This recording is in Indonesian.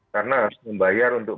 karena harus membayar untuk